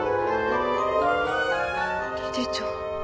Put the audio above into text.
理事長。